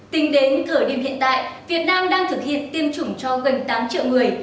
tính đến thời điểm hiện tại việt nam đang thực hiện tiêm chủng cho gần tám triệu người